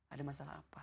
ada masalah apa